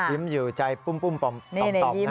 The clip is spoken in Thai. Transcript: ยิ้มอยู่ใจปุ้มป่อมต่อนะ